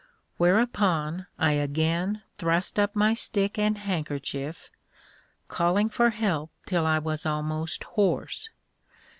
Whereupon I again thrust up my stick and handkerchief, calling for help till I was almost hoarse.